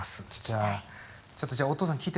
ちょっとじゃあお父さん聴いてて。